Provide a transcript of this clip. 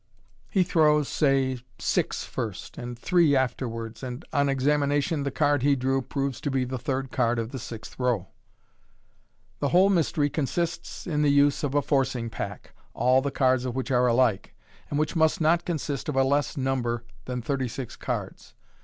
He throws, say, "six " first, and " three " afterwards, and on examination the card he drew proves to be the third card of the sixth row. The whole mystery consists in the use of a forcing pack, all the cards of which are alike, and which must not consist of a less num ber than thirty six cards.